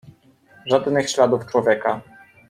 "Żadnych śladów człowieka."